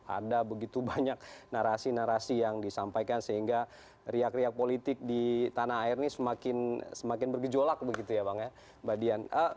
ada begitu banyak narasi narasi yang disampaikan sehingga riak riak politik di tanah air ini semakin bergejolak begitu ya bang ya mbak dian